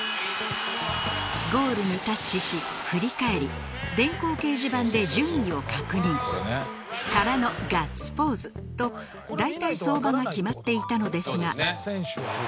ゴールにタッチし、振り返り電光掲示板で順位を確認。からのガッツポーズと、大体相場が決まっていたのですが。